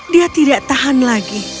dia tidak tahan lagi